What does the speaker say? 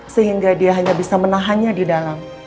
sehingga dia hanya bisa menahannya di dalam